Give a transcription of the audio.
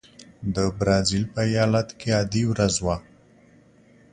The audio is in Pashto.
د برازیل په ایالت کې عادي ورځ وه.